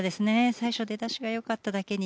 最初、出だしがよかっただけに。